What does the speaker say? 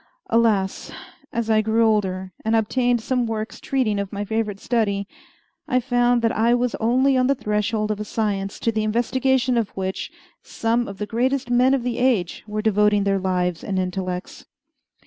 Alas! as I grew older, and obtained some works treating of my favorite study, I found that I was only on the threshold of a science to the investigation of which some of the greatest men of the age were devoting their lives and intellects.